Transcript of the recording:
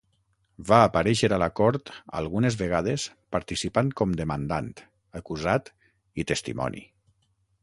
Va aparèixer a la cort algunes vegades, participant com demandant, acusat i testimoni.